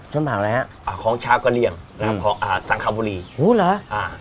แฮะของชาวกระเรียงของรือ